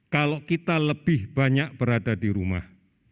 kalau kita lebih banyak berada di rumah